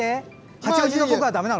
八王子の僕はだめなの？